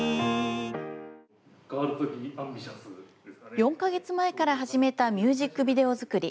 ４か月前から始めたミュージックビデオづくり。